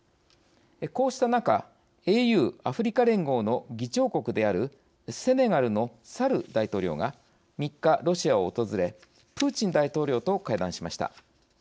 こうした中ＡＵ＝アフリカ連合の議長国であるセネガルのサル大統領が３日、ロシアを訪れプーチン大統領と会談しました。